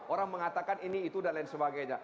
orang mengatakan ini itu dan lain sebagainya